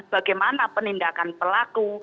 bagaimana penindakan pelaku